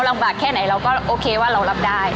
ลำบากแค่ไหนเราก็โอเคว่าเรารับได้